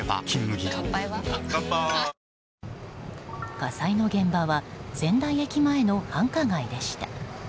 火災の現場は仙台駅前の繁華街でした。